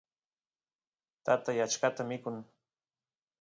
tatay achkata mikun